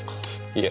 いえ